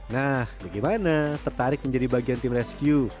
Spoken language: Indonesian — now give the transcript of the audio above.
nah bagaimana tertarik menjadi bagian tim rescue